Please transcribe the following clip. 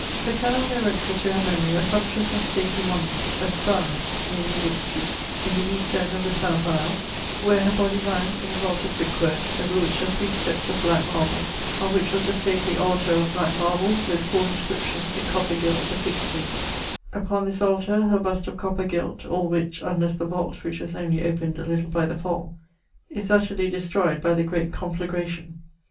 Sir Kenelme erected to her memorie a sumptuouse and stately monument at ... Fryars (neer Newgate street) in the east end of the south aisle, where her bodie lyes in a vault of brick worke, over which are three steps of black marble, on which was a stately altar of black marble with 4 inscriptions in copper gilt affixed to it: upon this altar her bust of copper gilt, all which (unlesse the vault, which was onely opened a little by the fall) is utterly destroyed by the great conflagration.